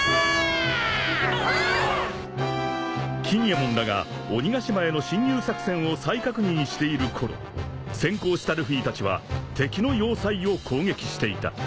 ［錦えもんらが鬼ヶ島への侵入作戦を再確認しているころ先行したルフィたちは敵の要塞を攻撃していた］